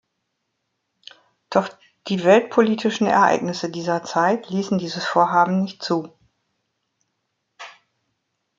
Doch die weltpolitischen Ereignisse dieser Zeit liessen dieses Vorhaben nicht zu.